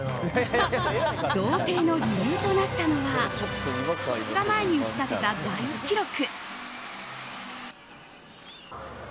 贈呈の理由となったのは２日前に打ち立てた大記録。